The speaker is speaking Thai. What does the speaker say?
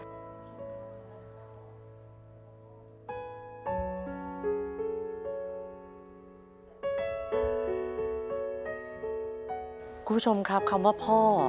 คุณผู้ชมครับคำว่าพ่อ